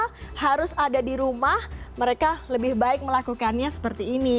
atau penyakit penyerta harus ada di rumah mereka lebih baik melakukannya seperti ini